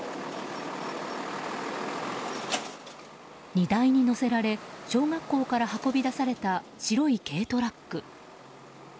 荷台に載せられ、小学校から運び出された白い軽トラック。